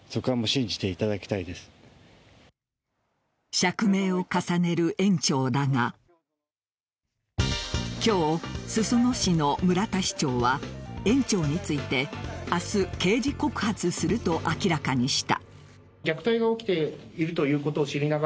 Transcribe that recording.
釈明を重ねる園長だが今日、裾野市の村田市長は園長について、明日刑事告発すると明らかにした。